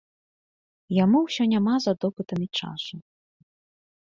Яму ўсё няма за допытамі часу.